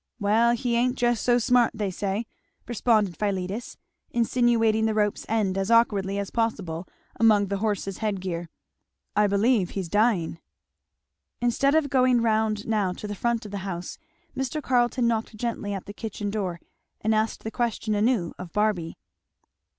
"Well he ain't just so smart, they say," responded Philetus, insinuating the rope's end as awkwardly as possible among the horse's head gear, "I believe he's dying." Instead of going round now to the front of the house, Mr. Carleton knocked gently at the kitchen door and asked the question anew of Barby.